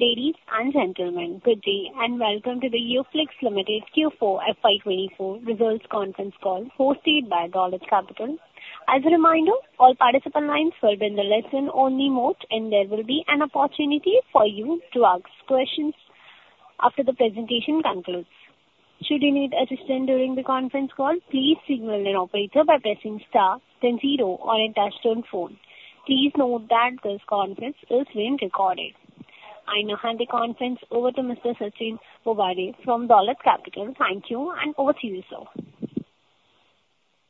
Ladies and gentlemen, good day, and welcome to the UFlex Limited Q4 FY24 results conference call, hosted by Dolat Capital. As a reminder, all participant lines will be in the listen-only mode, and there will be an opportunity for you to ask questions after the presentation concludes. Should you need assistance during the conference call, please signal an operator by pressing star then zero on a touchtone phone. Please note that this conference is being recorded. I now hand the conference over to Mr. Sachin Bobade from Dolat Capital. Thank you, and over to you, sir.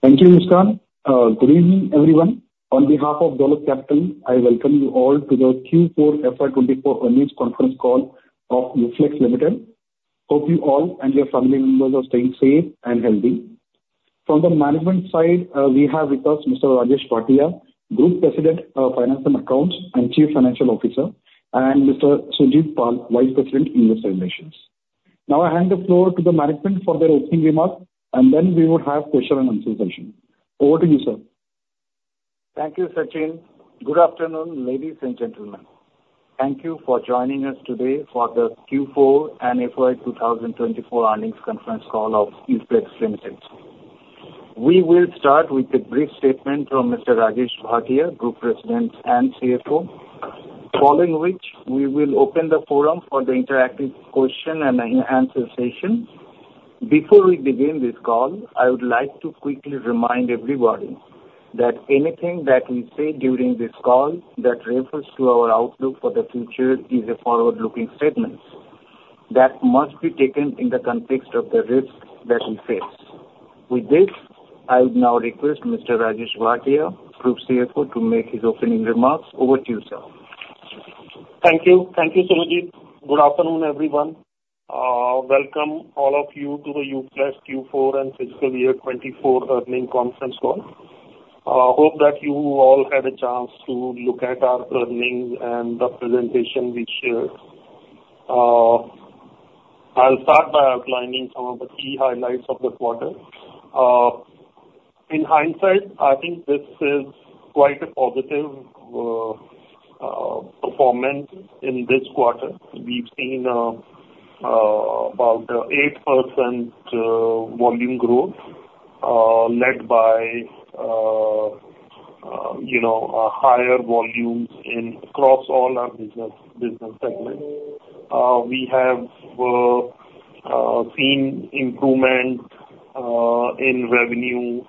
Thank you, Ishan. Good evening, everyone. On behalf of Dolat Capital, I welcome you all to the Q4 FY24 earnings conference call of UFlex Limited. Hope you all and your family members are staying safe and healthy. From the management side, we have with us Mr. Rajesh Bhatia, Group President of Finance and Accounts, and Chief Financial Officer, and Mr. Surjit Pal, Vice President, Investor Relations. Now, I hand the floor to the management for their opening remarks, and then we will have question and answer session. Over to you, sir. Thank you, Sachin. Good afternoon, ladies and gentlemen. Thank you for joining us today for the Q4 and FY 2024 earnings conference call of UFlex Limited. We will start with a brief statement from Mr. Rajesh Bhatia, Group President and CFO, following which we will open the forum for the interactive question and answer session. Before we begin this call, I would like to quickly remind everybody that anything that we say during this call that refers to our outlook for the future is a forward-looking statement that must be taken in the context of the risks that we face. With this, I would now request Mr. Rajesh Bhatia, Group CFO, to make his opening remarks. Over to you, sir. Thank you. Thank you, Surjit. Good afternoon, everyone. Welcome all of you to the UFlex Q4 and fiscal year 2024 earnings conference call. Hope that you all had a chance to look at our earnings and the presentation we shared. I'll start by outlining some of the key highlights of the quarter. In hindsight, I think this is quite a positive performance in this quarter. We've seen about 8% volume growth led by you know a higher volumes in across all our business business segments. We have seen improvement in revenue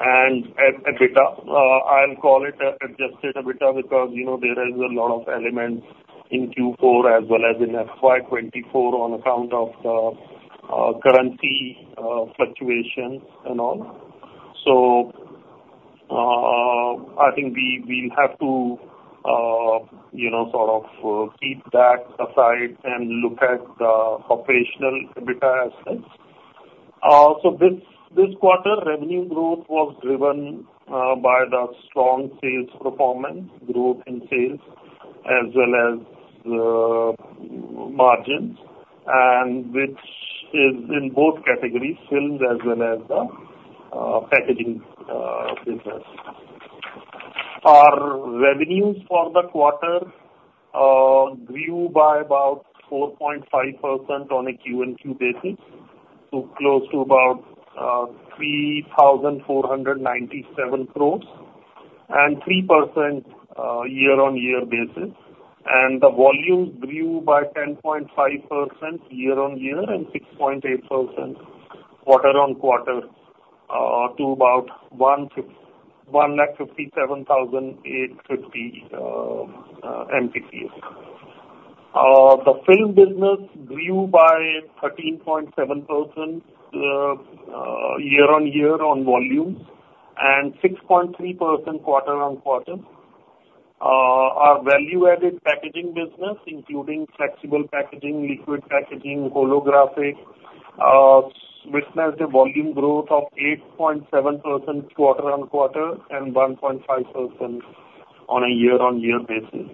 and EBITDA. I'll call it Adjusted EBITDA because you know there is a lot of elements in Q4 as well as in FY 2024 on account of the currency fluctuations and all. So, I think we, we'll have to, you know, sort of, keep that aside and look at the operational EBITDA assets. So this quarter, revenue growth was driven by the strong sales performance, growth in sales, as well as margins, and which is in both categories, films as well as the packaging business. Our revenues for the quarter grew by about 4.5% on a Q&Q basis, to close to about INR 3,497 crores and 3% year-on-year basis. And the volumes grew by 10.5% year-on-year and 6.8% quarter-on-quarter to about 157,850 MTPA. The film business grew by 13.7% year-on-year on volumes, and 6.3% quarter-on-quarter. Our value-added packaging business, including flexible packaging, liquid packaging, holographic, witnessed a volume growth of 8.7% quarter-on-quarter and 1.5% on a year-on-year basis.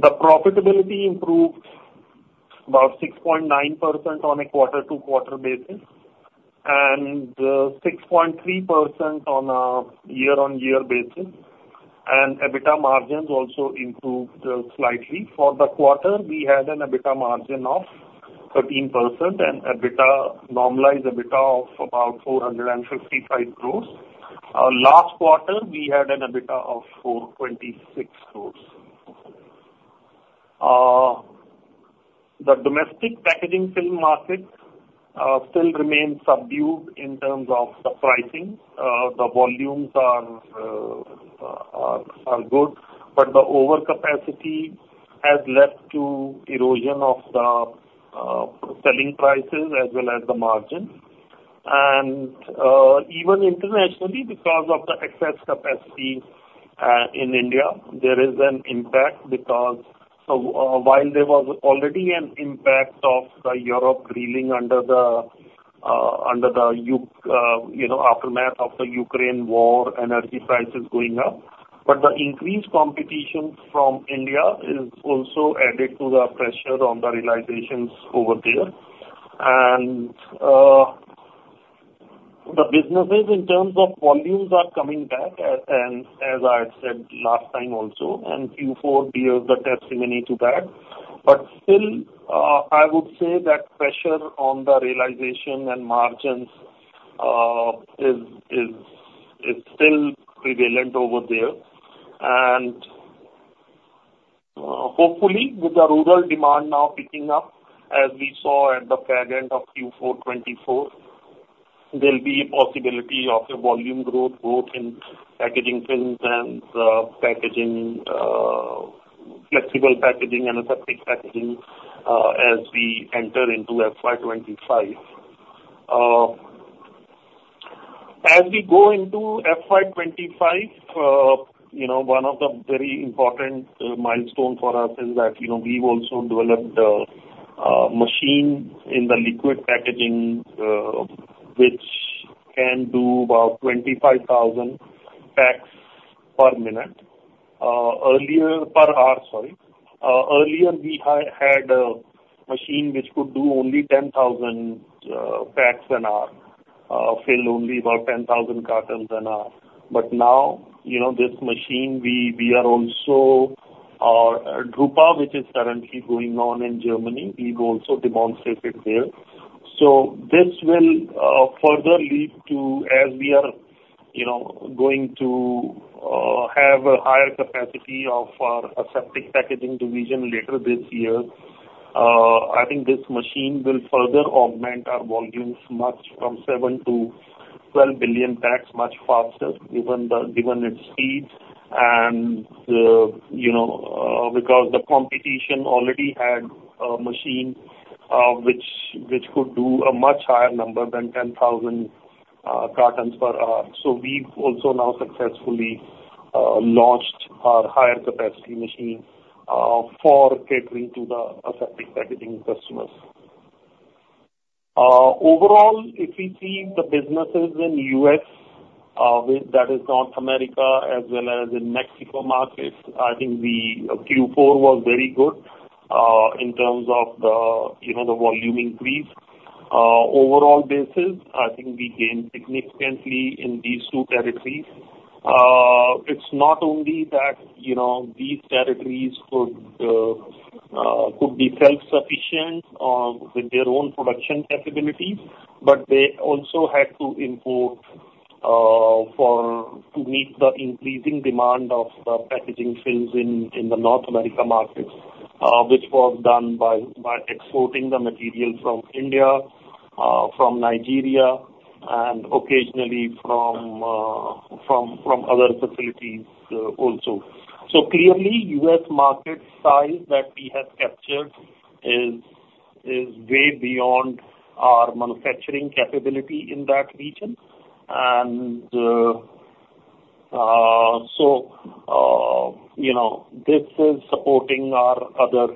The profitability improved about 6.9% on a quarter-to-quarter basis, and 6.3% on a year-on-year basis, and EBITDA margins also improved slightly. For the quarter, we had an EBITDA margin of 13% and EBITDA, normalized EBITDA of about 455 crores. Last quarter, we had an EBITDA of 426 crores. The domestic packaging film market still remains subdued in terms of the pricing. The volumes are good, but the overcapacity has led to erosion of the selling prices as well as the margins. And even internationally, because of the excess capacity in India, there is an impact because, so, while there was already an impact of Europe reeling under the you know aftermath of the Ukraine war, energy prices going up, but the increased competition from India is also added to the pressure on the realizations over there. The businesses in terms of volumes are coming back, and as I said last time also, and Q4 bears the testimony to that. But still, I would say that pressure on the realization and margins is still prevalent over there. Hopefully, with the rural demand now picking up, as we saw at the fag end of Q4 2024, there'll be a possibility of a volume growth, both in packaging films and, packaging, flexible packaging and aseptic packaging, as we enter into FY 2025. As we go into FY 2025, you know, one of the very important, milestone for us is that, you know, we've also developed a machine in the liquid packaging, which can do about 25,000 packs per minute. Earlier, per hour, sorry. Earlier, we had a machine which could do only 10,000 packs an hour, fill only about 10,000 cartons an hour. But now, you know, this machine, we are also, Drupa, which is currently going on in Germany, we've also demonstrated there. So this will further lead to, as we are, you know, going to have a higher capacity of our aseptic packaging division later this year. I think this machine will further augment our volumes much from 7-12 billion packs, much faster, given its speed and the, you know, because the competition already had a machine, which could do a much higher number than 10,000 cartons per hour. So we've also now successfully launched our higher capacity machine for catering to the aseptic packaging customers. Overall, if we see the businesses in U.S., with that is North America as well as in Mexico markets, I think the Q4 was very good in terms of the, you know, the volume increase. Overall basis, I think we gained significantly in these two territories. It's not only that, you know, these territories could be self-sufficient with their own production capabilities, but they also had to import to meet the increasing demand of the packaging films in the North America markets, which was done by exporting the material from India from Nigeria, and occasionally from other facilities also. So clearly, U.S. market size that we have captured is way beyond our manufacturing capability in that region. And so you know, this is supporting our other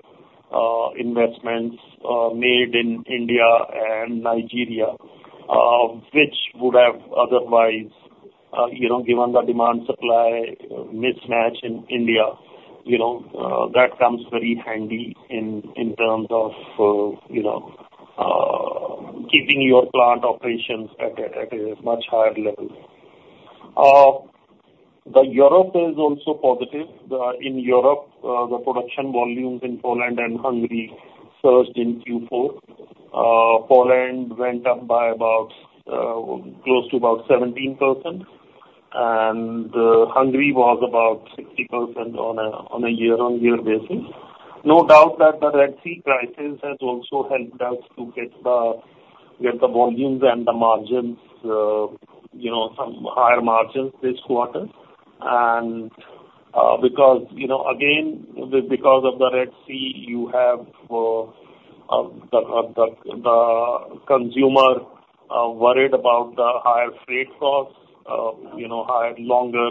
investments made in India and Nigeria, which would have otherwise you know, given the demand-supply mismatch in India, you know that comes very handy in terms of you know keeping your plant operations at a much higher level. The Europe is also positive. In Europe, the production volumes in Poland and Hungary surged in Q4. Poland went up by about close to about 17%, and Hungary was about 60% on a year-on-year basis. No doubt that the Red Sea crisis has also helped us to get the volumes and the margins, you know, some higher margins this quarter. And, because, you know, again, because of the Red Sea, you have the consumer worried about the higher freight costs, you know, higher, longer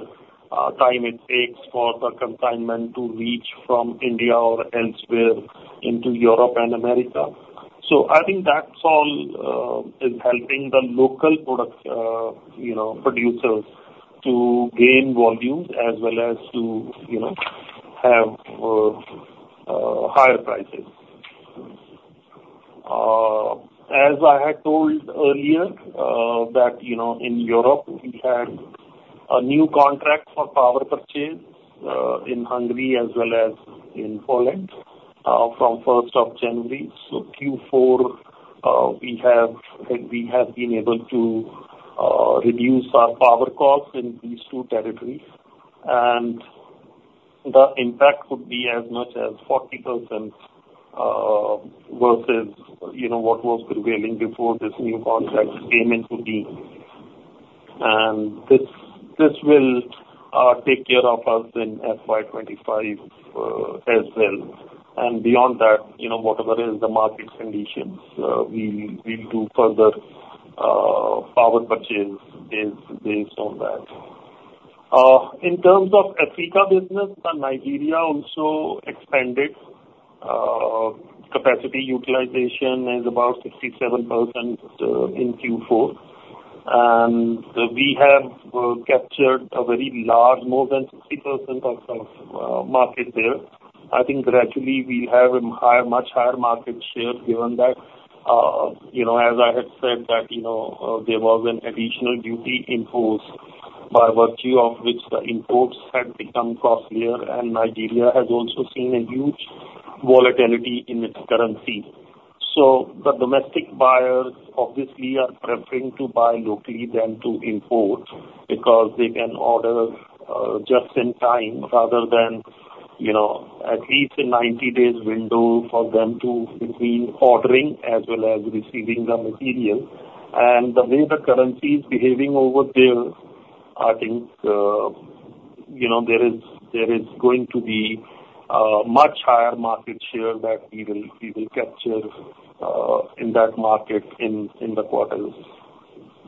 time it takes for the consignment to reach from India or elsewhere into Europe and America. So I think that's all is helping the local product, you know, producers to gain volumes as well as to, you know, have higher prices. As I had told earlier, that, you know, in Europe, we had a new contract for power purchase in Hungary as well as in Poland from first of January. So Q4, we have, we have been able to reduce our power costs in these two territories, and the impact could be as much as 40% versus, you know, what was prevailing before this new contract came into being. And this, this will take care of us in FY 2025 as well. And beyond that, you know, whatever is the market conditions, we will, we will do further power purchase based on that. In terms of Africa business, the Nigeria also expanded. Capacity utilization is about 67%, in Q4, and we have captured a very large, more than 60% of market there. I think gradually we have a higher, much higher market share, given that, you know, as I had said that, you know, there was an additional duty imposed by virtue of which the imports had become costlier, and Nigeria has also seen a huge volatility in its currency. So the domestic buyers obviously are preferring to buy locally than to import, because they can order, just in time rather than, you know, at least a 90 days window for them to between ordering as well as receiving the material. And the way the currency is behaving over there, I think, you know, there is going to be a much higher market share that we will capture in that market in the quarters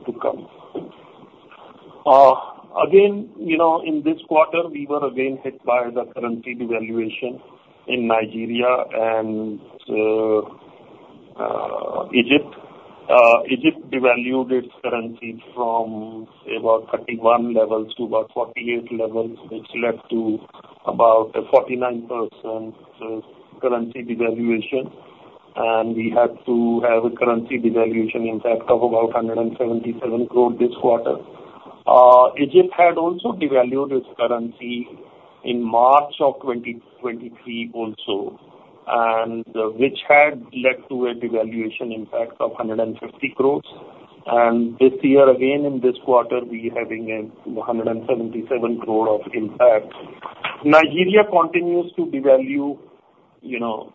to come. Again, you know, in this quarter, we were again hit by the currency devaluation in Nigeria and Egypt. Egypt devalued its currency from about 31 levels to about 48 levels, which led to about a 49% currency devaluation. And we had to have a currency devaluation impact of about 177 crore this quarter. Egypt had also devalued its currency in March of 2023 also, and which had led to a devaluation impact of 150 crore. And this year, again, in this quarter, we are having a 177 crore of impact. Nigeria continues to devalue, you know,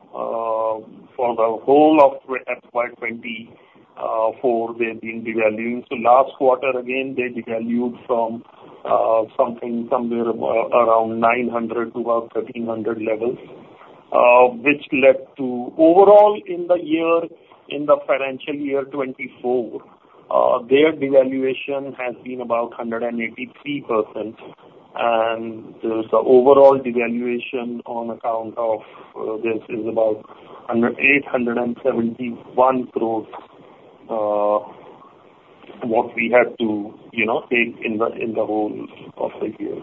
for the whole of FY 2024, they've been devaluing. So last quarter, again, they devalued from something somewhere around 900 to about 1,300 levels, which led to overall in the year, in the financial year 2024, their devaluation has been about 183%. And the overall devaluation on account of this is about under 871 crores, what we had to, you know, take in the, in the whole of the year.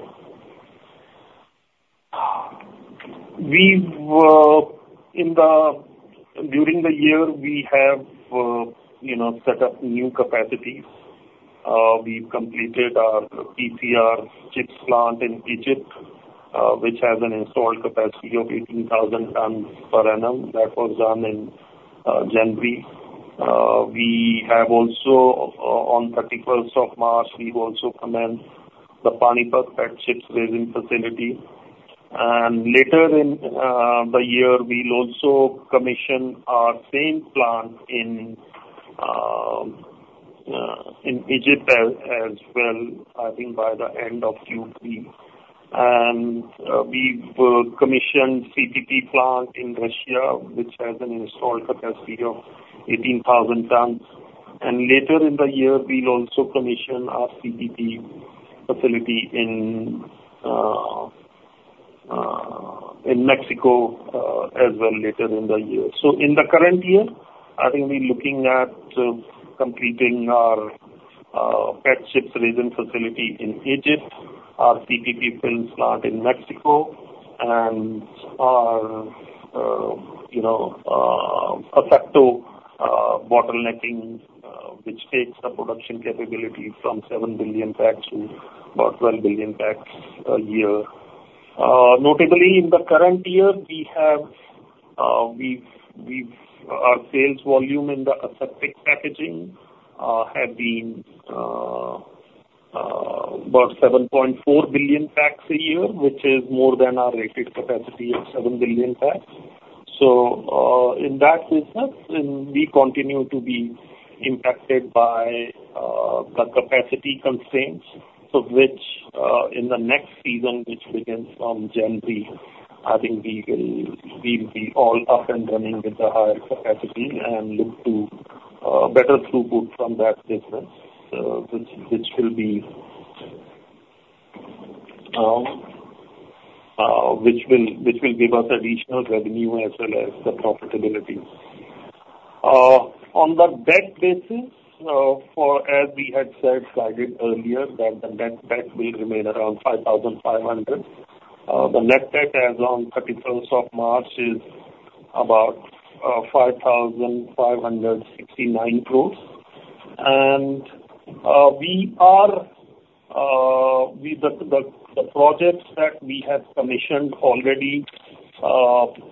We've, in the during the year, we have, you know, set up new capacities. We've completed our PCR chips plant in Egypt, which has an installed capacity of 18,000 tons per annum. That was done in January. We have also, on 31st of March, we've also commenced the Panipat PET chips resin facility. And later in the year, we'll also commission our same plant in Egypt as well, I think by the end of Q3. And we've commissioned CPP plant in Russia, which has an installed capacity of 18,000 tons. And later in the year, we'll also commission our CPP facility in Mexico as well, later in the year. So in the current year, I think we're looking at completing our PET chips resin facility in Egypt, our CPP film plant in Mexico, and our, you know, Asepto bottlenecking, which takes the production capability from 7 billion packs to about 12 billion packs a year. Notably, in the current year, we have we've our sales volume in the aseptic packaging have been about 7.4 billion packs a year, which is more than our rated capacity of 7 billion packs. So, in that business, we continue to be impacted by the capacity constraints, so which in the next season, which begins from January, I think we will we'll be all up and running with the higher capacity and look to better throughput from that business, which will give us additional revenue as well as the profitability. On the debt basis, for as we had said, guided earlier, that the net debt will remain around 5,500. The net debt as on 31st of March is about 5,569 crores. And the projects that we have commissioned already,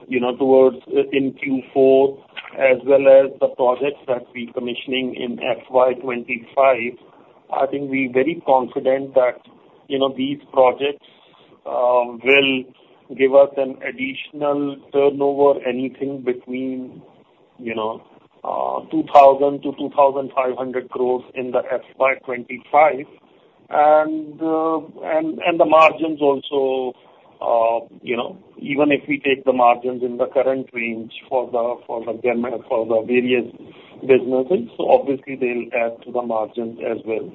you know, towards in Q4, as well as the projects that we're commissioning in FY 2025, I think we're very confident that, you know, these projects will give us an additional turnover, anything between, you know, 2,000-2,500 crores in FY 2025. And the margins also, you know, even if we take the margins in the current range for the various businesses, so obviously they'll add to the margins as well.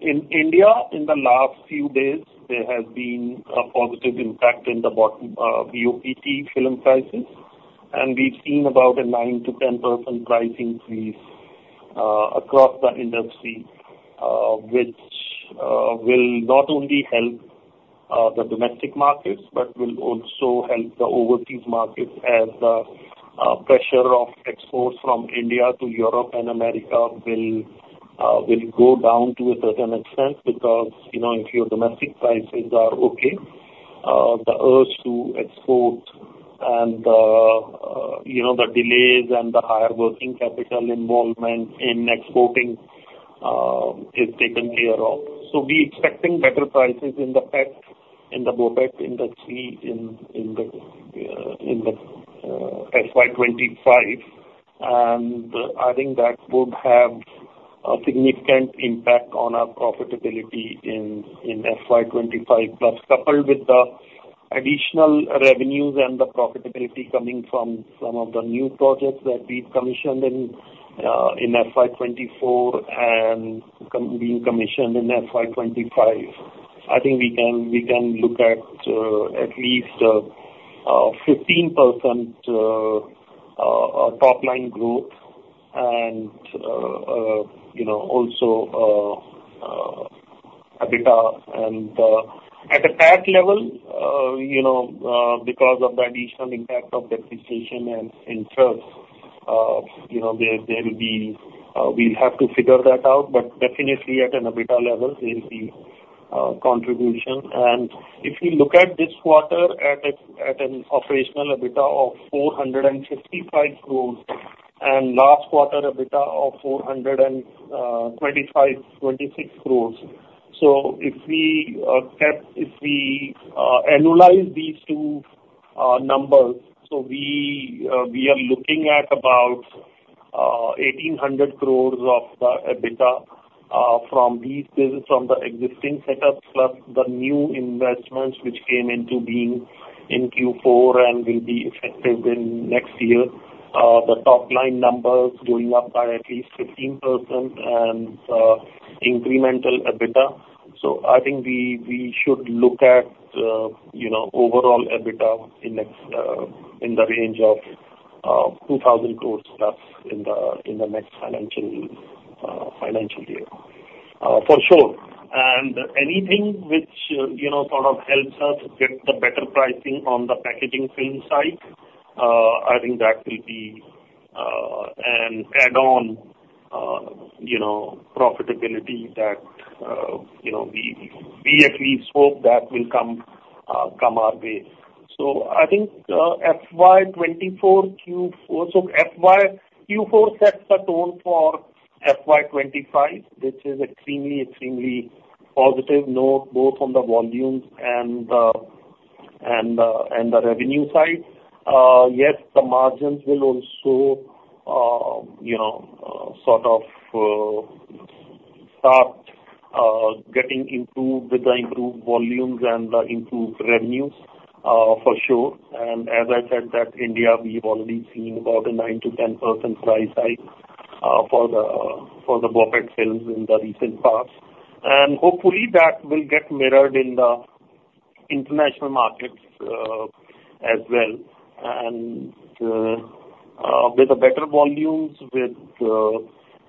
In India, in the last few days, there has been a positive impact in the bottom, BOPP film prices, and we've seen about a 9%-10% price increase across the industry, which will not only help the domestic markets, but will also help the overseas markets as the pressure of exports from India to Europe and America will go down to a certain extent. Because, you know, if your domestic prices are okay, the urge to export and, you know, the delays and the higher working capital involvement in exporting is taken care of. So we're expecting better prices in the pack, in the BOPP industry, in the FY 2025. And I think that would have a significant impact on our profitability in FY 2025. Plus, coupled with the additional revenues and the profitability coming from some of the new projects that we've commissioned in FY 2024 and being commissioned in FY 2025, I think we can look at at least 15% top line growth and you know also EBITDA. And at a tax level you know because of the additional impact of depreciation and interest you know there there will be we'll have to figure that out. But definitely at an EBITDA level, there will be contribution. And if you look at this quarter at an operational EBITDA of 455 crores and last quarter EBITDA of 425-426 crores. So if we kept, if we annualize these two numbers, so we are looking at about 1,800 crore INR of EBITDA from these business, from the existing setups, plus the new investments which came into being in Q4 and will be effective in next year. The top-line numbers going up by at least 15% and incremental EBITDA. So I think we should look at, you know, overall EBITDA in next, in the range of 2,000 crore INR plus in the next financial year. For sure, and anything which, you know, sort of helps us get the better pricing on the packaging film side, I think that will be an add-on, you know, profitability that, you know, we at least hope that will come our way. So I think FY 2024 Q4 sets the tone for FY 2025, which is extremely, extremely positive, both on the volumes and the revenue side. Yes, the margins will also, you know, sort of start getting improved with the improved volumes and the improved revenues, for sure. And as I said, in India, we've already seen about a 9%-10% price hike for the BOPET films in the recent past. And hopefully, that will get mirrored in the international markets, as well. And, with the better volumes, with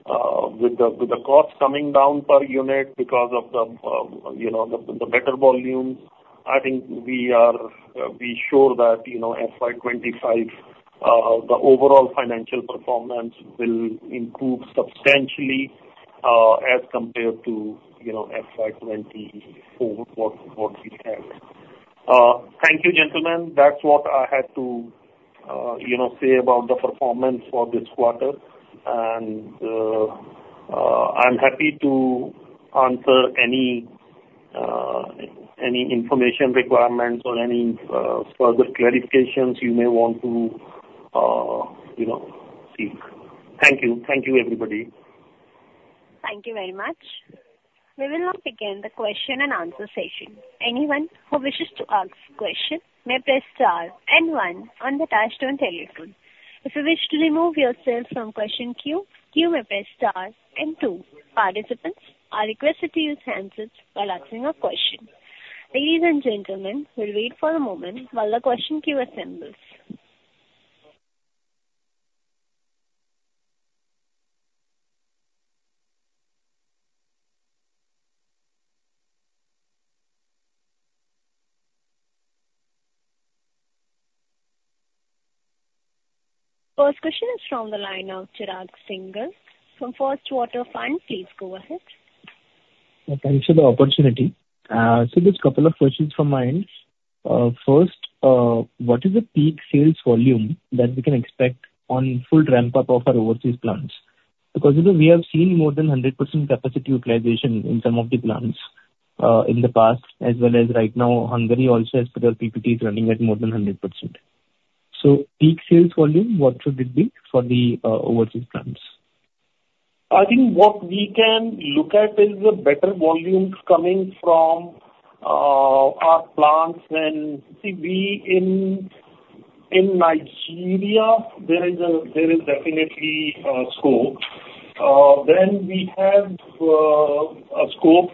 the cost coming down per unit because of the, you know, the better volumes, I think we are, we sure that, you know, FY 2025, the overall financial performance will improve substantially, as compared to, you know, FY 2024, what we had. Thank you, gentlemen. That's what I had to, you know, say about the performance for this quarter. And, I'm happy to answer any, any information requirements or any, further clarifications you may want to, you know, seek. Thank you. Thank you, everybody. Thank you very much. We will now begin the question and answer session. Anyone who wishes to ask a question may press star and one on the touchtone telephone. If you wish to remove yourself from question queue, you may press star and two. Participants are requested to use handsets while asking a question. Ladies and gentlemen, we'll wait for a moment while the question queue assembles. First question is from the line of Chirag Singhal from First Water Capital. Please go ahead. Thank you for the opportunity. So there's a couple of questions from my end. First, what is the peak sales volume that we can expect on full ramp-up of our overseas plants? Because, you know, we have seen more than 100% capacity utilization in some of the plants, in the past, as well as right now, Hungary also, as per the PPT, is running at more than 100%. So peak sales volume, what should it be for the, overseas plants? I think what we can look at is the better volumes coming from our plants. See, we in Nigeria, there is definitely scope. Then we have a scope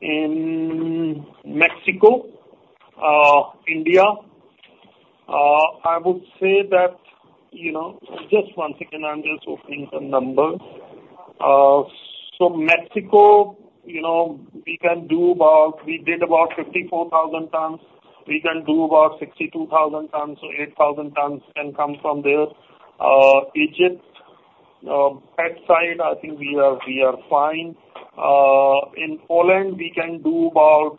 in Mexico, India. I would say that, you know, just one second, I'm just opening the numbers. So Mexico, you know, we can do about we did about 54,000 tons. We can do about 62,000 tons, so 8,000 tons can come from there. Egypt, PET side, I think we are fine. In Poland, we can do about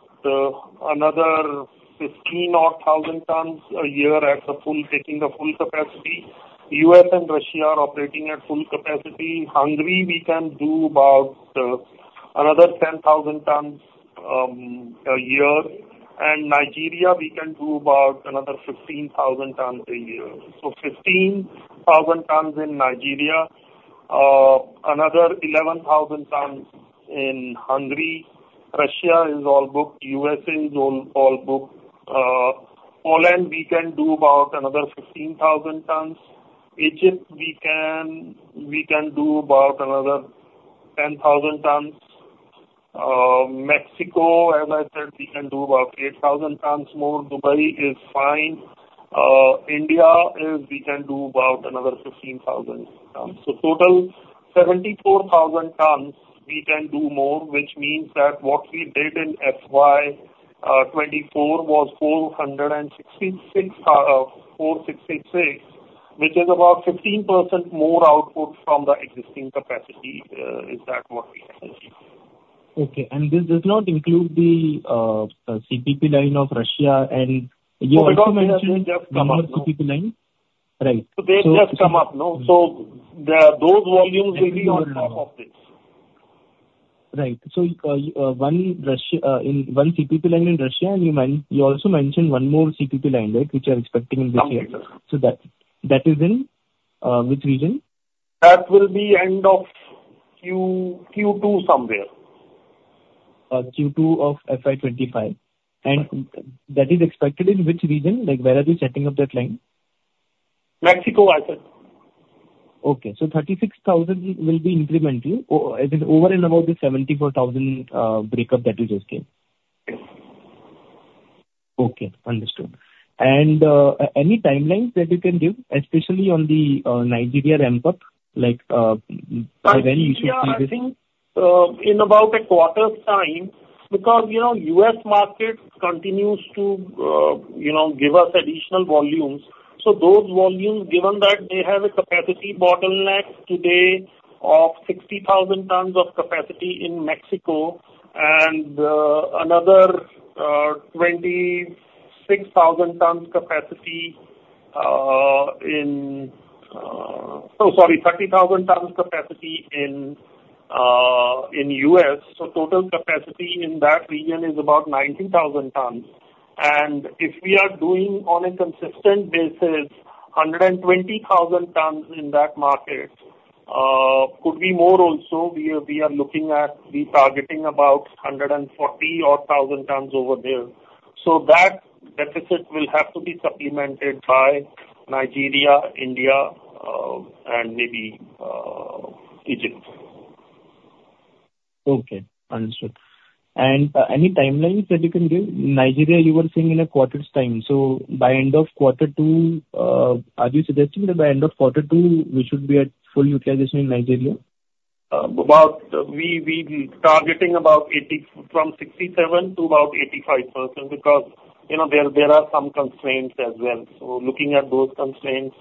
another 15,000 tons a year at the full, taking the full capacity. U.S. and Russia are operating at full capacity. Hungary, we can do about another 10,000 tons a year, and Nigeria, we can do about another 15,000 tons a year. So 15,000 tons in Nigeria, another 11,000 tons in Hungary. Russia is all booked. U.S.A. is all booked. Poland, we can do about another 15,000 tons. Egypt, we can do about another 10,000 tons. Mexico, as I said, we can do about 8,000 tons more. Dubai is fine. India is we can do about another 15,000 tons. So total, 74,000 tons we can do more, which means that what we did in FY 2024 was 466,000, which is about 15% more output from the existing capacity, is that what we. Okay. This does not include the CPP line of Russia, and you also mentioned- They just come up. Some more CPP line? Right. So they just come up, no. So, those volumes will be on top of this. Right. So, one in Russia, one CPP line in Russia, and you also mentioned one more CPP line, right, which you are expecting in this year? Completely. So that, that is in, which region? That will be end of Q, Q2, somewhere. Q2 of FY 2025. Right. That is expected in which region? Like, where are you setting up that line? Mexico, I said. Okay, so 36,000 will be incremental, it is over and above the 74,000 breakup that you just gave? Yes. Okay, understood. And, any timelines that you can give, especially on the Nigeria ramp up, like, by when you should see this? Yeah, I think in about a quarter's time, because, you know, U.S. market continues to, you know, give us additional volumes. So those volumes, given that they have a capacity bottleneck today of 60,000 tons of capacity in Mexico and another 26,000 tons capacity in... Oh, sorry, 30,000 tons capacity in U.S.. So total capacity in that region is about 90,000 tons. And if we are doing on a consistent basis, 120,000 tons in that market, could be more also, we are looking at retargeting about 140,000 tons over there. So that deficit will have to be supplemented by Nigeria, India, and maybe Egypt. Okay, understood. Any timelines that you can give? Nigeria, you were saying in a quarter's time, so by end of quarter two, are you suggesting that by end of quarter two, we should be at full utilization in Nigeria? About, we are targeting about 80% from 67 to about 85%, because, you know, there are some constraints as well. So looking at those constraints,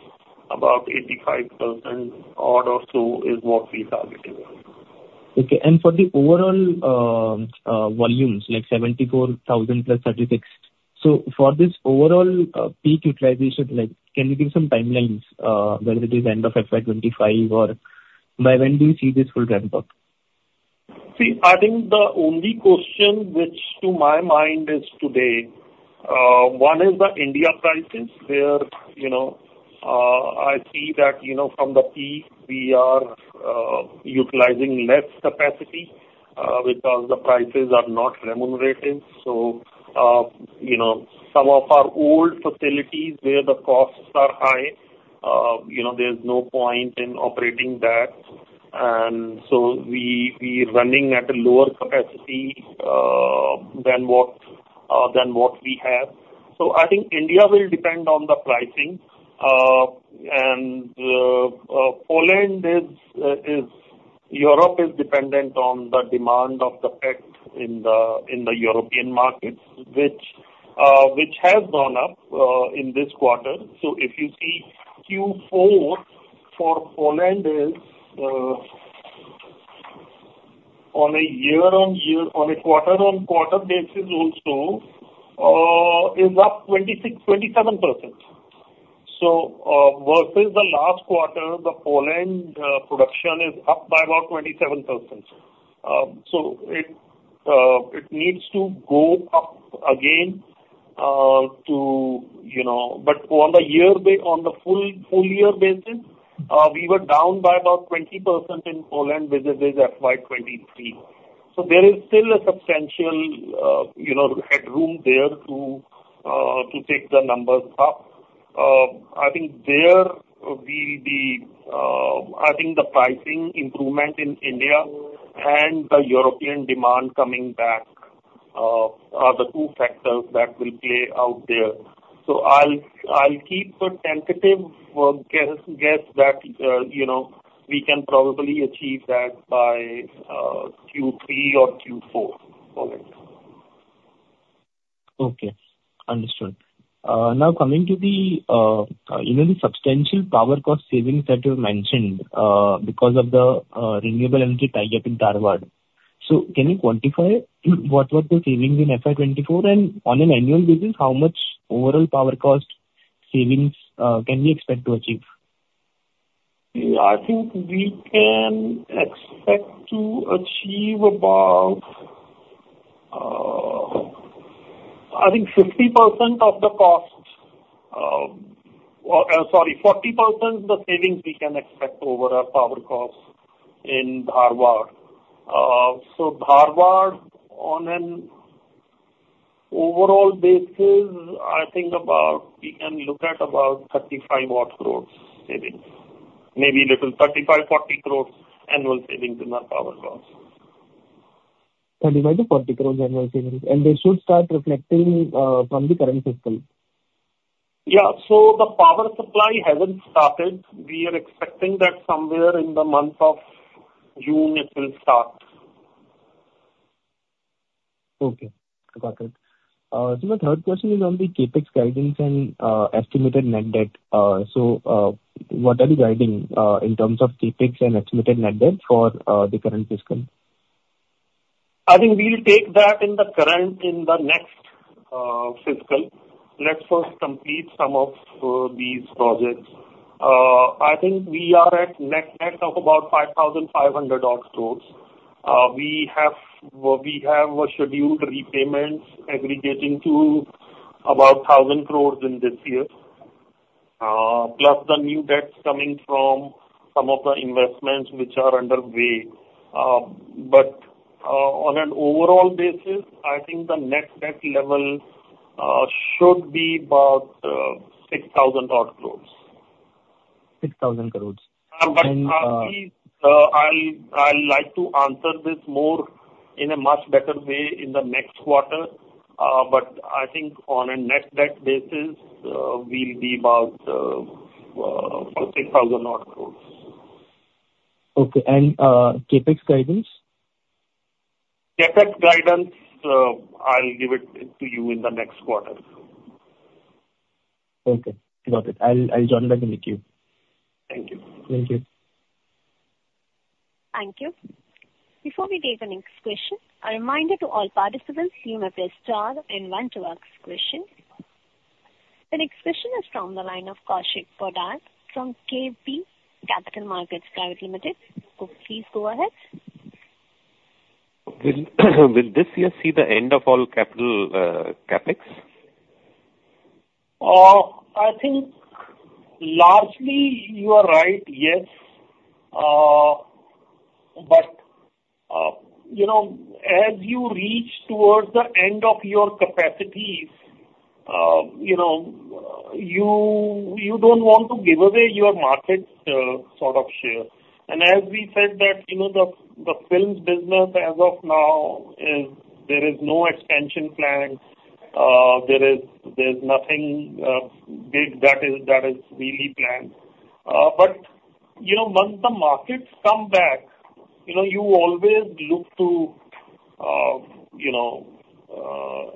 about 85% odd or so is what we targeting. Okay. For the overall volumes, like 74,000 plus 36, so for this overall peak utilization, like, can you give some timelines, whether it is end of FY 2025 or by when do you see this full ramp up? See, I think the only question which to my mind is today, one, is the India pricing, where, you know, I see that, you know, from the peak, we are utilizing less capacity, because the prices are not remunerative. So, you know, some of our old facilities where the costs are high, you know, there's no point in operating that. And so we running at a lower capacity, than what we have. So I think India will depend on the pricing. And, Poland is... Europe is dependent on the demand of the PET in the European markets, which has gone up, in this quarter. So if you see Q4 for Poland is, on a year-on-year, on a quarter-on-quarter basis also, is up 26%-27%. So, versus the last quarter, the Poland production is up by about 27%. So it needs to go up again, to, you know... But on the full year basis, we were down by about 20% in Poland, versus the FY 2023. So there is still a substantial, you know, headroom there to take the numbers up. I think there will be, I think the pricing improvement in India and the European demand coming back are the two factors that will play out there. I'll keep a tentative guess that you know we can probably achieve that by Q3 or Q4. All right. Okay. Understood. Now coming to the, you know, the substantial power cost savings that you mentioned, because of the renewable energy tie-up in Dharwad. So can you quantify what were the savings in FY 2024, and on an annual basis, how much overall power cost savings can we expect to achieve? I think we can expect to achieve about, I think 50% of the cost, or, sorry, 40% the savings we can expect over our power costs in Dharwad. So Dharwad, on an overall basis, I think about we can look at about 35 what growth savings, maybe little 35-40 crores annual savings in our power costs. 35-40 crores annual savings, and they should start reflecting from the current fiscal? Yeah. So the power supply hasn't started. We are expecting that somewhere in the month of June it will start. Okay, got it. So my third question is on the CapEx guidance and estimated net debt. So, what are you guiding in terms of CapEx and estimated net debt for the current fiscal? I think we'll take that in the current, in the next fiscal. Let's first complete some of these projects. I think we are at net, net of about 5,500 odd crores. We have scheduled repayments aggregating to about 1,000 crores in this year, plus the new debts coming from some of the investments which are underway. But on an overall basis, I think the net debt level should be about 6,000 odd crores. INR 6,000 crore. But I'll like to answer this more in a much better way in the next quarter. But I think on a net debt basis, we'll be about 6,000-odd crore. Okay. And, CapEx guidance? CapEx guidance, I'll give it to you in the next quarter. Okay, got it. I'll join back in the queue. Thank you. Thank you. Thank you. Before we take the next question, a reminder to all participants you may press star and one to ask question. The next question is from the line of Kaushik Poddar from KB Capital Markets Private Limited. Please go ahead. Will, will this year see the end of all capital CapEx? I think largely you are right, yes. But you know, as you reach towards the end of your capacities, you know, you don't want to give away your market sort of share. And as we said that, you know, the films business as of now is. There is no expansion plan. There's nothing big that is really planned. But you know, once the markets come back, you know, you always look to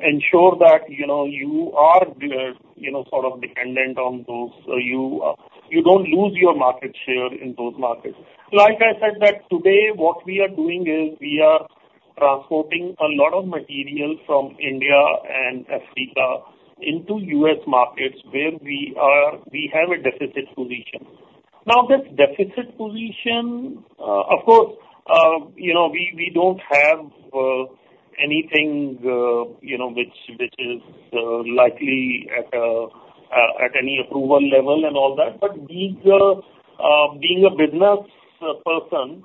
ensure that you are there, you know, sort of dependent on those. You don't lose your market share in those markets. Like I said that today, what we are doing is we are transporting a lot of material from India and Africa into U.S. markets, where we have a deficit position. Now, this deficit position, of course, you know, we don't have anything you know which is likely at any approval level and all that. But these are, being a business person,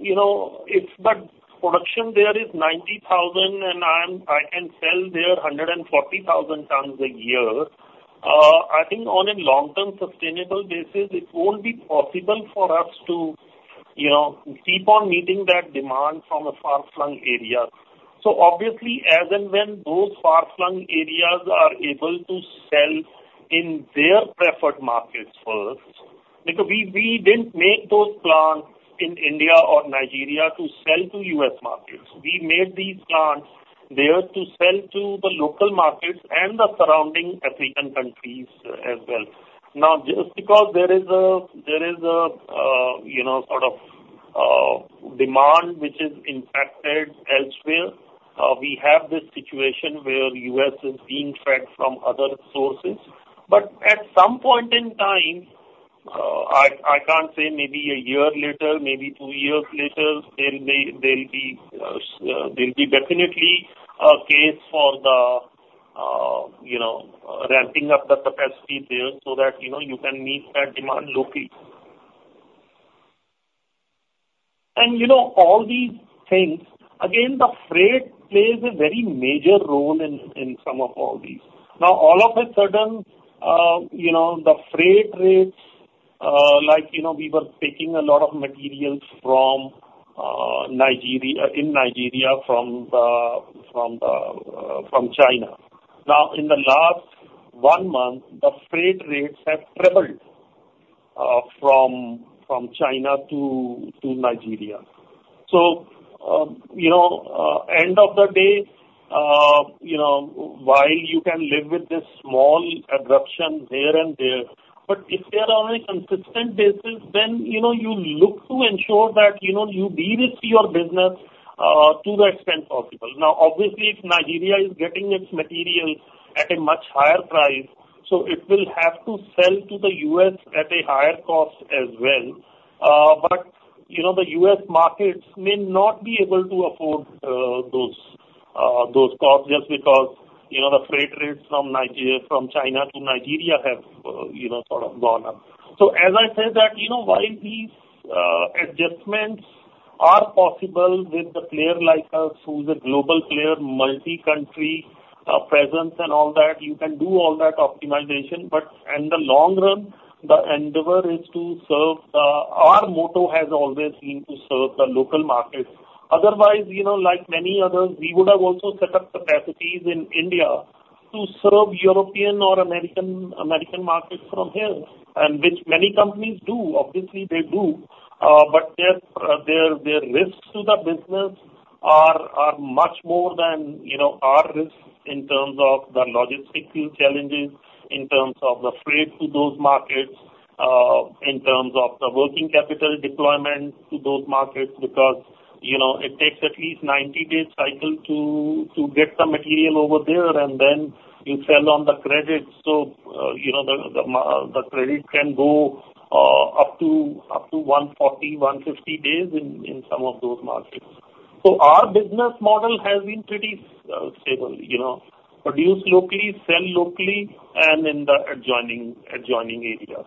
you know, if that production there is 90,000, and I can sell there 140,000 tons a year, I think on a long-term sustainable basis, it won't be possible for us to you know keep on meeting that demand from a far-flung area. So obviously, as and when those far-flung areas are able to sell in their preferred markets first, like we didn't make those plants in India or Nigeria to sell to U.S. markets. We made these plants there to sell to the local markets and the surrounding African countries as well. Now, just because there is a you know sort of demand which is impacted elsewhere, we have this situation where U.S. is being fed from other sources, but at some point in time, I can't say maybe a year later, maybe two years later, there'll be definitely a case for the you know ramping up the capacity there so that you know you can meet that demand locally. And you know, all these things, again, the freight plays a very major role in some of all these. Now, all of a sudden, you know, the freight rates, like, you know, we were taking a lot of materials from Nigeria in Nigeria from China. Now, in the last one month, the freight rates have tripled, from China to Nigeria. So, you know, end of the day, you know, while you can live with this small disruption here and there, but if they are on a consistent basis, then, you know, you look to ensure that, you know, you de-risk your business, to the extent possible. Now, obviously, if Nigeria is getting its materials at a much higher price, so it will have to sell to the U.S. at a higher cost as well. But, you know, the U.S. markets may not be able to afford, those costs just because, you know, the freight rates from China to Nigeria have, you know, sort of gone up. So as I said that, you know, while these adjustments are possible with a player like us, who is a global player, multi-country presence and all that, you can do all that optimization. But in the long run, the endeavor is to serve the... Our motto has always been to serve the local markets. Otherwise, you know, like many others, we would have also set up capacities in India to serve European or American, American markets from here, and which many companies do. Obviously, they do. But their risks to the business are much more than, you know, our risks in terms of the logistical challenges, in terms of the freight to those markets, in terms of the working capital deployment to those markets, because, you know, it takes at least 90 days cycle to get the material over there, and then you sell on the credit. So, you know, the credit can go up to 140, 150 days in some of those markets. So our business model has been pretty stable, you know, produce locally, sell locally and in the adjoining areas.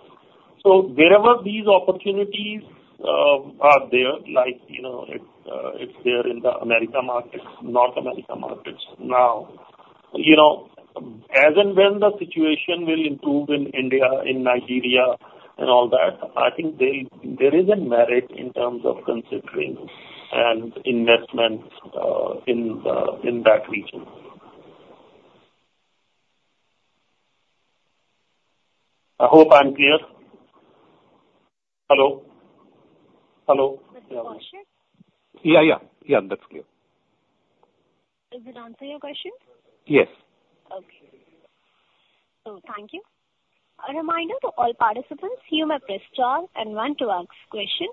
So wherever these opportunities are there, like, you know, it's there in the American markets, North American markets. Now, you know, as and when the situation will improve in India, in Nigeria and all that, I think there, there is a merit in terms of considering and investment, in the, in that region. I hope I'm clear. Hello? Hello. Mr. Kaushik? Yeah, yeah. Yeah, that's clear. Does it answer your question? Yes. Okay. So thank you. A reminder to all participants, you may press star and one to ask question.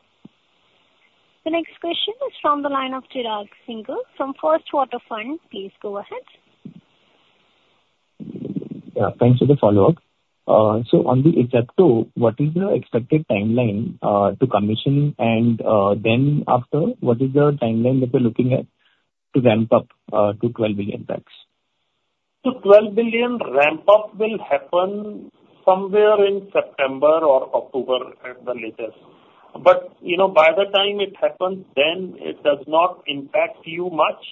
The next question is from the line of Chirag Singhal from First Water Capital. Please go ahead. Yeah, thanks for the follow-up. So on the Asepto, what is your expected timeline to commissioning? And then after, what is the timeline that you're looking at to ramp up to 12 billion packs? To 12 billion ramp up will happen somewhere in September or October at the latest. But, you know, by the time it happens, then it does not impact you much.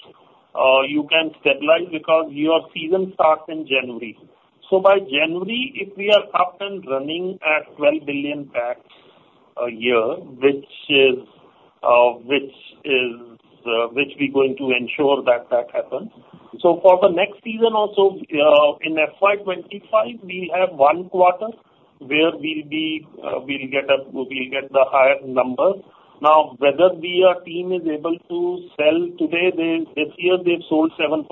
You can stabilize because your season starts in January. So by January, if we are up and running at 12 billion packs a year, which we're going to ensure that that happens. So for the next season also, in FY 2025, we have one quarter where we'll be, we'll get the higher numbers. Now, whether we are team is able to sell today, they... This year they've sold 7.5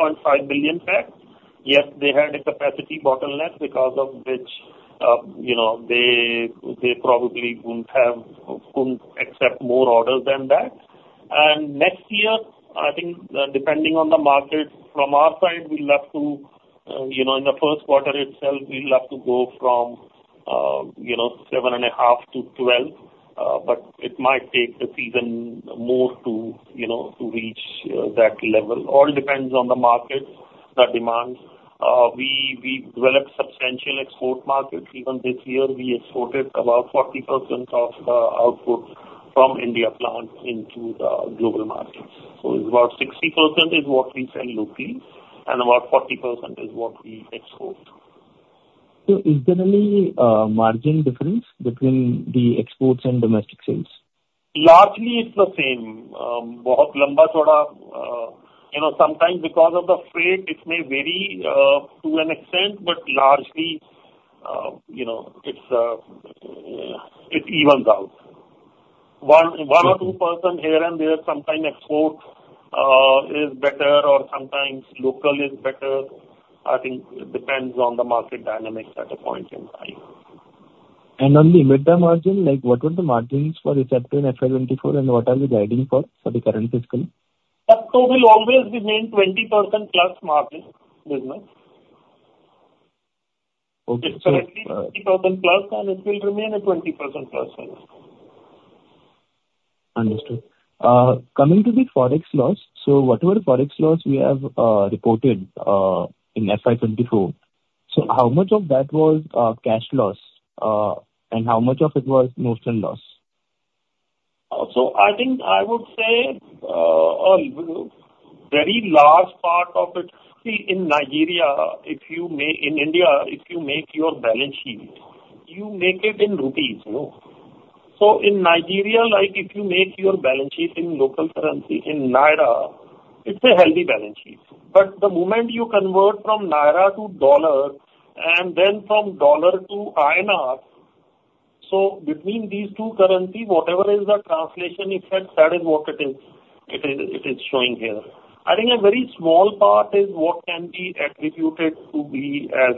billion packs. Yes, they had a capacity bottleneck, because of which, you know, they, they probably wouldn't have, couldn't accept more orders than that. Next year, I think, depending on the market, from our side, we'll have to, you know, in the first quarter itself, we'll have to go from, you know, 7.5-12, but it might take a season more to, you know, to reach that level. All depends on the market, the demands. We developed substantial export markets. Even this year we exported about 40% of the output from India plant into the global markets. About 60% is what we sell locally, and about 40% is what we export. Is there any margin difference between the exports and domestic sales? Largely it's the same. In a long term, you know, sometimes because of the freight, it may vary to an extent, but largely, you know, it's, it evens out. 1 or 2% here and there, sometimes export is better or sometimes local is better. I think it depends on the market dynamics at a point in time. On the midterm margin, like what were the margins for Asepto in FY 2024, and what are we guiding for the current fiscal? Asepto will always remain 20%+ margin business. Okay, so, It's currently 20%+, and it will remain at 20%+ always. Understood. Coming to the forex loss, so what were the forex loss we have reported in FY 2024? So how much of that was cash loss and how much of it was notional loss? So I think I would say, very large part of it, see, in Nigeria, if you make in India, if you make your balance sheet, you make it in rupees, no? So in Nigeria, like, if you make your balance sheet in local currency, in Naira, it's a healthy balance sheet. But the moment you convert from Naira to dollar and then from dollar to INR, so between these two currency, whatever is the translation effect, that is what it is, it is, it is showing here. I think a very small part is what can be attributed to be as,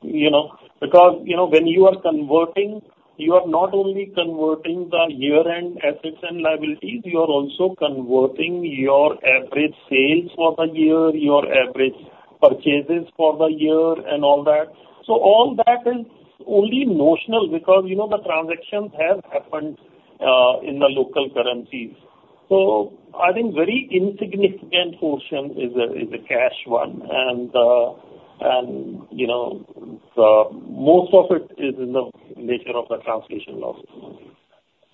you know, because, you know, when you are converting, you are not only converting the year-end assets and liabilities, you are also converting your average sales for the year, your average purchases for the year and all that. So all that is only notional because, you know, the transactions have happened, in the local currencies. So I think very insignificant portion is a, is a cash one. And, and, you know, the most of it is in the nature of the translation loss.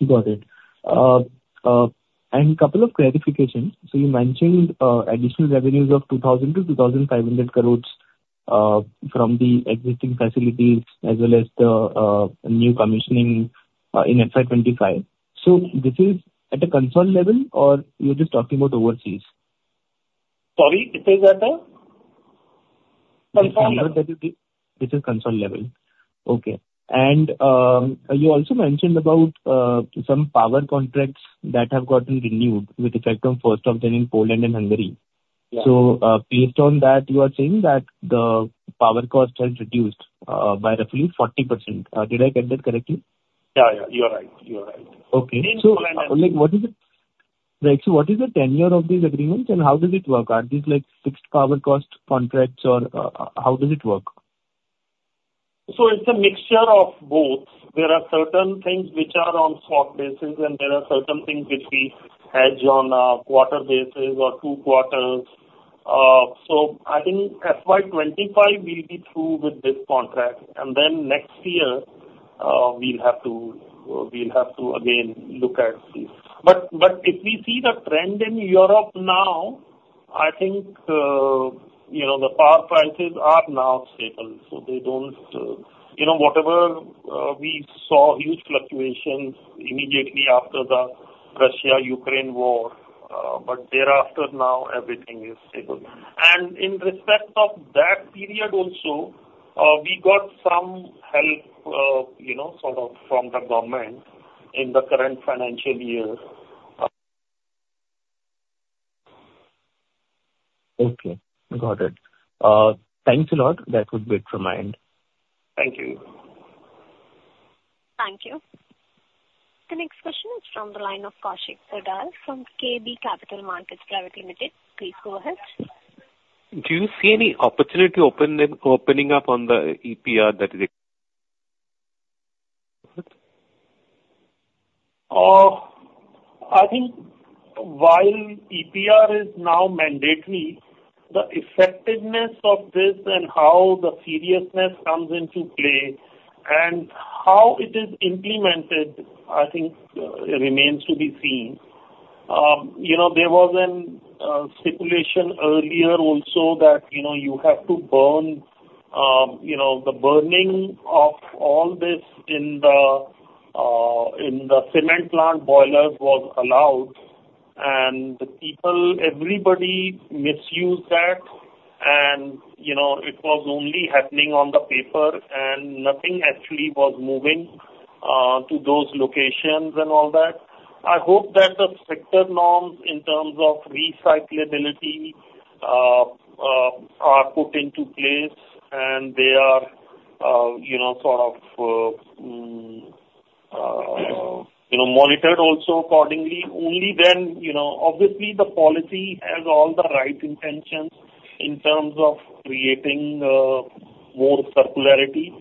Got it. And a couple of clarifications. So you mentioned additional revenues of 2,000 crore-2,500 crore from the existing facilities as well as the new commissioning in FY 2025. So this is at a consolidated level or you're just talking about overseas? Sorry, it is at a console. This is console level. Okay. And, you also mentioned about some power contracts that have gotten renewed with effect from first of January in Poland and Hungary. Yeah. Based on that, you are saying that the power cost has reduced by roughly 40%. Did I get that correctly? Yeah, yeah, you are right. You are right. Okay. In Poland and- So like, what is it, like, so what is the tenure of these agreements and how does it work? Are these like fixed power cost contracts or, how does it work? So it's a mixture of both. There are certain things which are on spot basis, and there are certain things which we hedge on a quarter basis or two quarters. So I think FY 2025, we'll be through with this contract, and then next year, we'll have to, we'll have to again look at this. But, but if we see the trend in Europe now, I think, you know, the power prices are now stable, so they don't... You know, whatever, we saw huge fluctuations immediately after the Russia-Ukraine war, but thereafter, now everything is stable. And in respect of that period also, we got some help, you know, sort of from the government in the current financial year. Okay, got it. Thanks a lot. That would be it from my end. Thank you. Thank you. The next question is from the line of Kaushik Poddar from KB Capital Markets Pvt. Ltd. Please go ahead. Do you see any opportunity open in, opening up on the EPR that is- I think while EPR is now mandatory, the effectiveness of this and how the seriousness comes into play and how it is implemented, I think, remains to be seen. You know, there was an stipulation earlier also that, you know, you have to burn, you know, the burning of all this in the cement plant boilers was allowed, and the people, everybody misused that. And, you know, it was only happening on the paper, and nothing actually was moving to those locations and all that. I hope that the stricter norms in terms of recyclability are put into place, and they are, you know, sort of, you know, monitored also accordingly. Only then, you know, obviously, the policy has all the right intentions in terms of creating more circularity.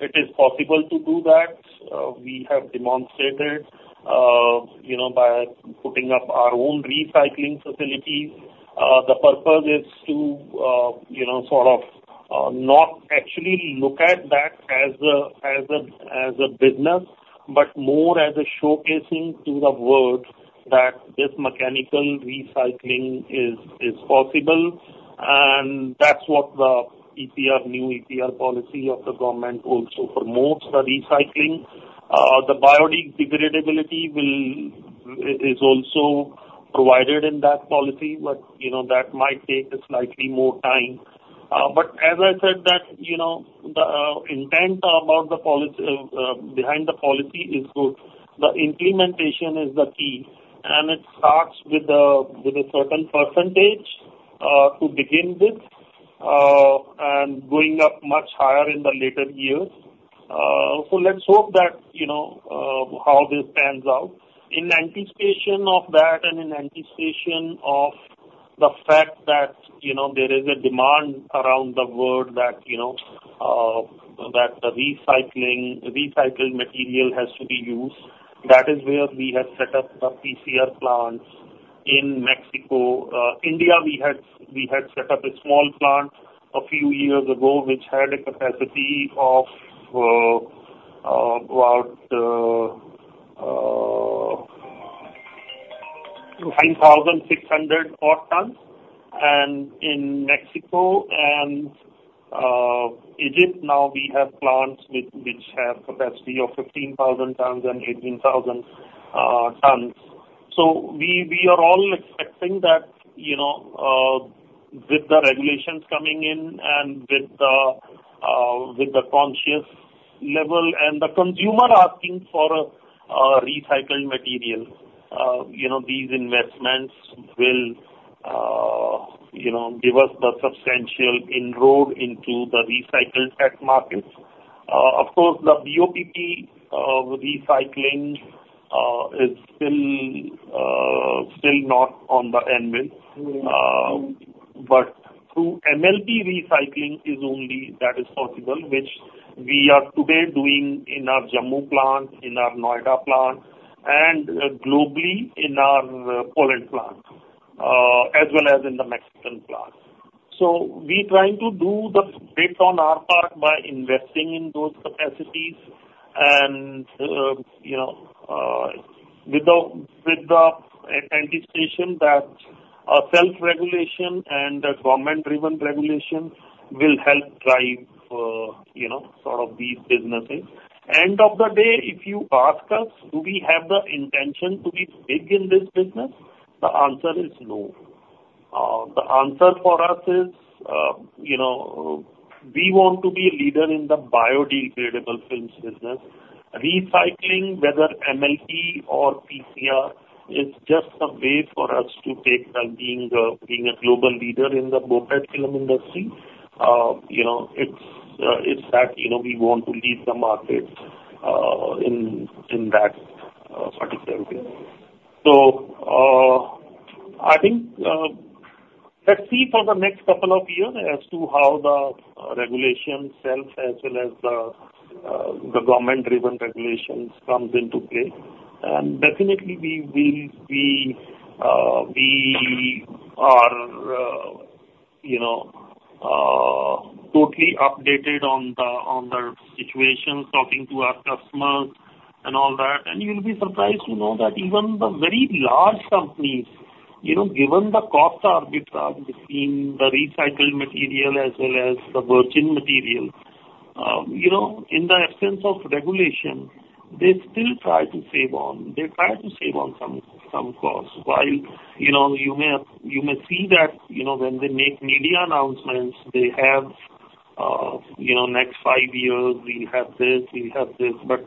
It is possible to do that. We have demonstrated, you know, by putting up our own recycling facility. The purpose is to, you know, sort of, not actually look at that as a business, but more as a showcasing to the world that this mechanical recycling is possible. And that's what the EPR, new EPR policy of the government also promotes, the recycling. The biodegradability is also provided in that policy, but you know, that might take a slightly more time. But as I said that, you know, the intent about the policy behind the policy is good. The implementation is the key, and it starts with a certain percentage to begin with, and going up much higher in the later years. So let's hope that, you know, how this pans out. In anticipation of that and in anticipation of the fact that, you know, that the recycling, recycled material has to be used, that is where we have set up the PCR plants in Mexico. India, we had, we had set up a small plant a few years ago, which had a capacity of about 9,600-odd tons. And in Mexico and Egypt now we have plants which, which have capacity of 15,000 tons and 18,000 tons. So we are all expecting that, you know, with the regulations coming in and with the conscious level and the consumer asking for a recycled material, you know, these investments will, you know, give us the substantial inroad into the recycled tech markets. Of course, the BOPP recycling is still not on the anvil. But through MLP recycling is only that is possible, which we are today doing in our Jammu plant, in our Noida plant, and globally in our Poland plant, as well as in the Mexican plant. So we trying to do the bit on our part by investing in those capacities and, you know, with the anticipation that a self-regulation and a government-driven regulation will help drive, you know, sort of these businesses. End of the day, if you ask us, do we have the intention to be big in this business? The answer is no. The answer for us is, you know, we want to be a leader in the biodegradable films business. Recycling, whether MLP or PCR, is just a way for us to take being a global leader in the BOPP film industry. You know, it's that, you know, we want to lead the market in that particular way. So, I think, let's see for the next couple of years as to how the regulations evolve, as well as the government-driven regulations comes into play. And definitely we will be... we are, you know, totally updated on the situation, talking to our customers and all that. You will be surprised to know that even the very large companies, you know, given the cost arbitrage between the recycled material as well as the virgin material, you know, in the absence of regulation, they still try to save on some costs. While, you know, you may see that, you know, when they make media announcements, they have, you know, next five years, we have this, we have this. But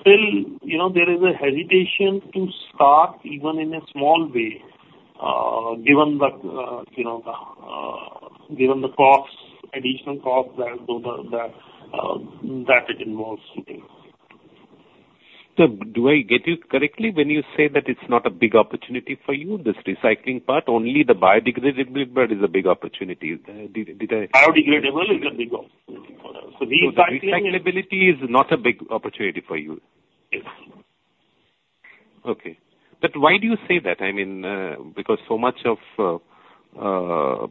still, you know, there is a hesitation to start even in a small way, given the additional costs that it involves today. Sir, do I get you correctly when you say that it's not a big opportunity for you, this recycling part, only the biodegradable part is a big opportunity? Is that...? Did, did I- Biodegradable is a big opportunity for us. So the recycling- The recyclability is not a big opportunity for you? Yes. Okay. But why do you say that? I mean, because so much of the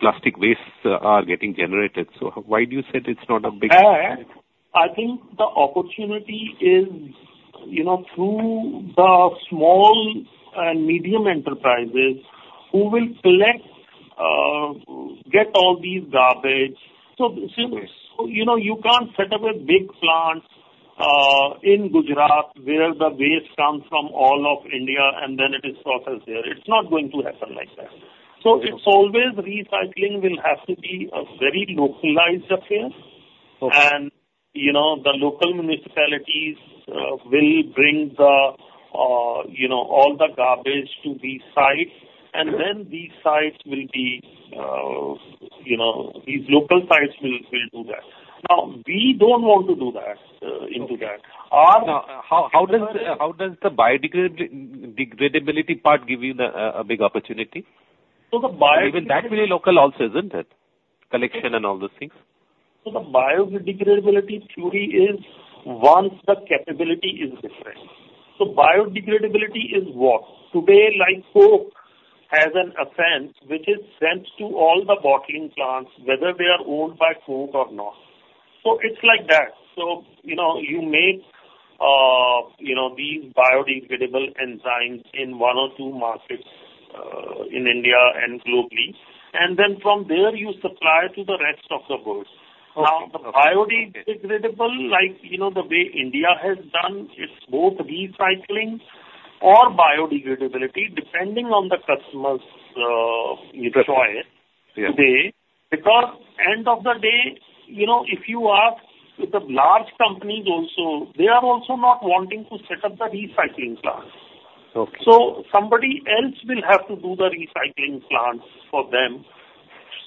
plastic wastes are getting generated, so why do you said it's not a big opportunity? I think the opportunity is, you know, through the small and medium enterprises who will collect, get all these garbage. So, you know, you can't set up a big plant in Gujarat, where the waste comes from all of India, and then it is processed there. It's not going to happen like that. Okay. It's always recycling will have to be a very localized affair. Okay. You know, the local municipalities will bring the, you know, all the garbage to these sites, and then these sites will be, you know, these local sites will do that. Now, we don't want to do that into that. Our- How does the biodegradability part give you a big opportunity? So the biodegradability- Even that very local also, isn't it? Collection and all those things. So the biodegradability theory is, once the capability is different. So biodegradability is what? Today, like, Coke has an essence which is sent to all the bottling plants, whether they are owned by Coke or not. So it's like that. So, you know, you make, you know, these biodegradable enzymes in one or two markets, in India and globally, and then from there, you supply to the rest of the world. Okay. Now, the biodegradable, like, you know, the way India has done, it's both recycling or biodegradability, depending on the customer's choice- Yeah. Today. Because end of the day, you know, if you ask the large companies also, they are also not wanting to set up the recycling plants. Okay. So somebody else will have to do the recycling plants for them,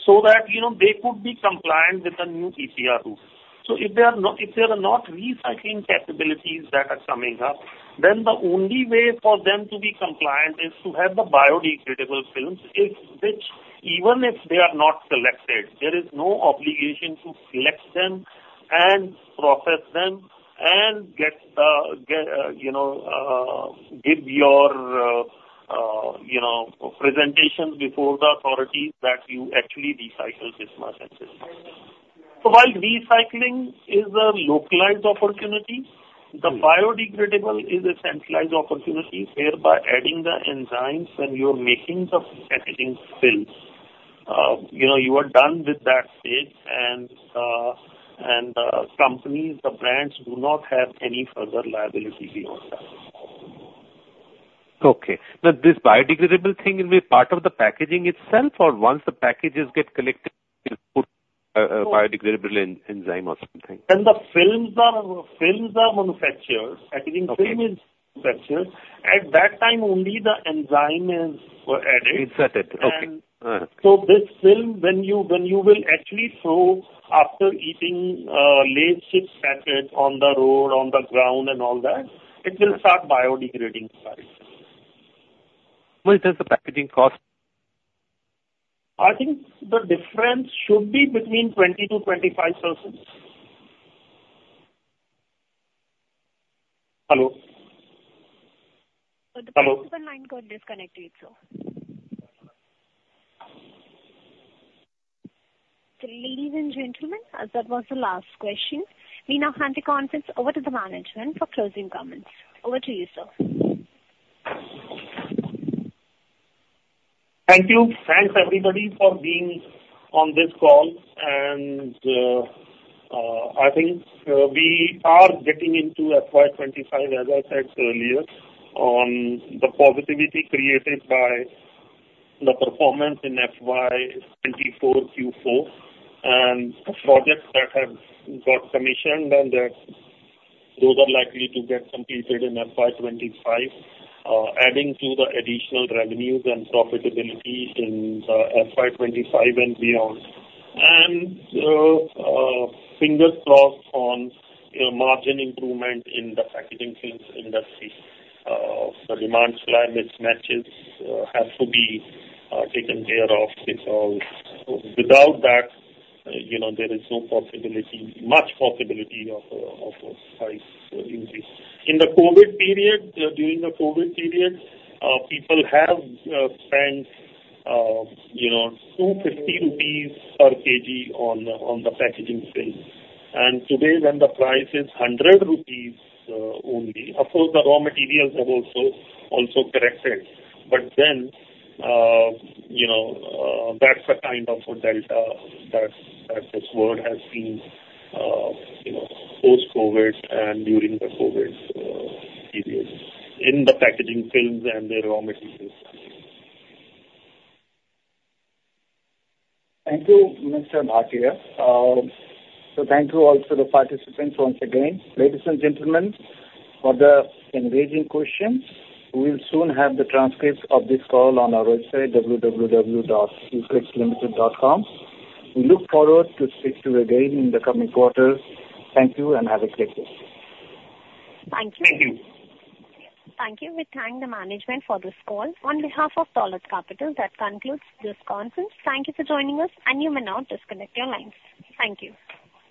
so that, you know, they could be compliant with the new EPR rule. So if there are no, if there are not recycling capabilities that are coming up, then the only way for them to be compliant is to have the biodegradable films, which even if they are not collected, there is no obligation to collect them and process them and get you know presentation before the authority that you actually recycle this much and this much. So while recycling is a localized opportunity, the biodegradable is a centralized opportunity, whereby adding the enzymes when you're making the packaging films, you know, you are done with that stage and the companies, the brands do not have any further liability beyond that. Okay. But this biodegradable thing will be part of the packaging itself, or once the packages get collected, you put a biodegradable enzyme or something? When the films are manufactured, packaging film- Okay. is manufactured, at that time, only the enzyme is added. Is added, okay. So this film, when you will actually throw after eating, Lay's chips packet on the road, on the ground and all that, it will start biodegrading by itself. Well, does the packaging cost? I think the difference should be between 20%-25%. Hello? The participant line got disconnected, sir. Ladies and gentlemen, as that was the last question, we now hand the conference over to the management for closing comments. Over to you, sir. Thank you. Thanks, everybody, for being on this call. And, I think, we are getting into FY 2025, as I said earlier, on the positivity created by the performance in FY 2024 Q4. And the projects that have got commissioned and that those are likely to get completed in FY 2025, adding to the additional revenues and profitability in FY 2025 and beyond. And, fingers crossed on, you know, margin improvement in the packaging films industry. The demand supply mismatches have to be taken care of because without that, you know, there is no possibility, much possibility of a price increase. In the COVID period, during the COVID period, people have spent, you know, 250 rupees per kg on the, on the packaging films. Today, when the price is 100 rupees, only, of course, the raw materials have also corrected. But then, you know, that's the kind of a delta that this world has seen, you know, post-COVID and during the COVID period, in the packaging films and their raw materials. Thank you, Mr. Bhatia. So thank you also the participants once again. Ladies and gentlemen, for the engaging questions, we'll soon have the transcripts of this call on our website, www.uflexltd.com. We look forward to speak to you again in the coming quarters. Thank you, and have a great day. Thank you. Thank you. Thank you. We thank the management for this call. On behalf of Dolat Capital Markets, that concludes this conference. Thank you for joining us, and you may now disconnect your lines. Thank you.